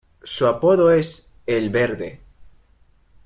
Su apodo es "El Verde".